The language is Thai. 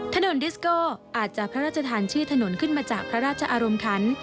ถนนดิสโก้อาจจะพระราชทานชื่อถนนขึ้นมาจากพระราชอารมณ์คัน